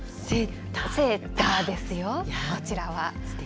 セーターですよ。